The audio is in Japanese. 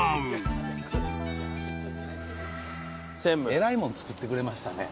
えらいもん作ってくれましたね？